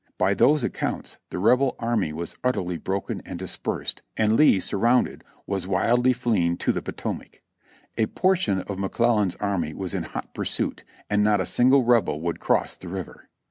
By those accounts the Rebel army was utterly broken and dispersed, and Lee surrounded, was wildly fleeing to the Potomac ; a portion of McClellan's army was in hot pursuit, and not a single Rebel would cross the river.